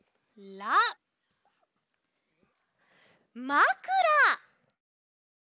「まくら」！